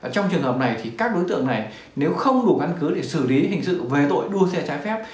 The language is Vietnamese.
trong trường hợp này thì các đối tượng này nếu không đủ căn cứ để xử lý hình sự về tội đua xe trái phép